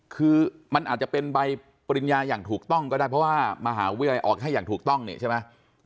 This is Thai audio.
คือมันอาจจะเป็นใบปริญญาอย่างถูกต้องก็ได้เพราะว่ามหาวิทยาลัยออกให้อย่างถูกต้องเนี่ยใช่ไหม